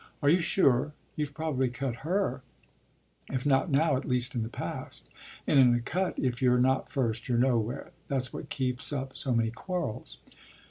“Are you sure? You’ve probably cut her; if not now, at least in the past. And in a cut if you’re not first you’re nowhere. That’s what keeps up so many quarrels.